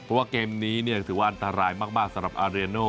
เพราะว่าเกมนี้ถือว่าอันตรายมากสำหรับอาเรโน